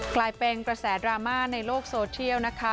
กลายเป็นกระแสดราม่าในโลกโซเชียลนะคะ